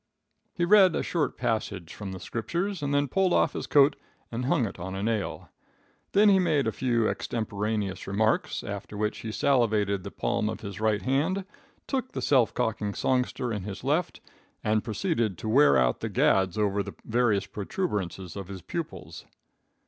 "He read a short passage from the Scriptures, and then pulled off his coat and hung it on a nail. Then he made a few extemporaneous remarks, after which he salivated the palm of his right hand, took the self cocking songster in his left, and proceeded to wear out the gads over the varied protuberances of his pupils.